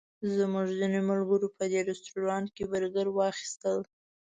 زموږ ځینو ملګرو په دې رسټورانټ کې برګر واخیستل.